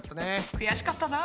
くやしかったな。